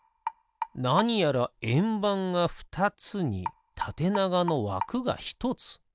なにやらえんばんがふたつにたてながのわくがひとつ。